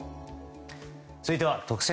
続いては特選！